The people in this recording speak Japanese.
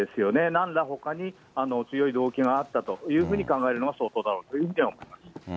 なんらほかに強い動機があったというふうに考えるのが相当だろうというふうに思います。